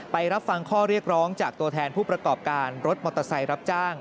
รับฟังข้อเรียกร้องจากตัวแทนผู้ประกอบการรถมอเตอร์ไซค์รับจ้าง